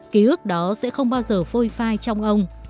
ký ức đó sẽ không bao giờ phôi phai trong ông